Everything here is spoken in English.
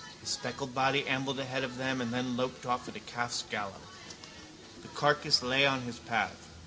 His speckled body ambled ahead of them and then loped off at a calf's gallop. The carcass lay on his path.